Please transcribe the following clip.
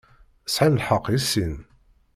Sεan lḥeqq i sin.